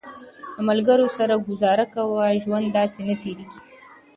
د ملګرو سره ګزاره کوه، ژوند داسې نه تېرېږي